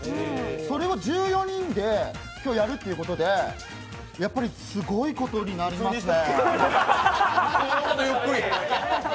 それを１４人で今日やるということで、やっぱりすごいことになりますね。